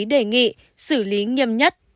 đề nghị xử lý nghiêm nhất